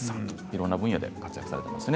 いろんな分野で活躍されています。